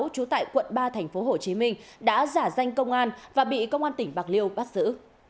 trú tại quận ba tp hcm đã giả danh công an và bị công an tỉnh bạc liêu bắt giữ